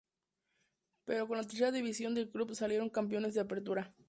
Pero con la Tercera División del club, salieron campeones del Apertura.